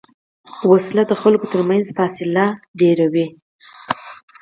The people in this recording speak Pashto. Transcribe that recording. وسله د خلکو تر منځ فاصله زیاتوي